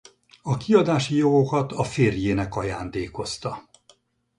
A kiadási jogokat a férjének ajándékozta.